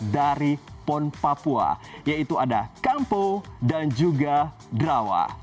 dari pon papua yaitu ada kampo dan juga drawa